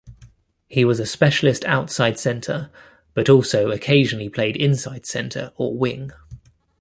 He was a specialist outside centre but also occasionally played inside centre or wing.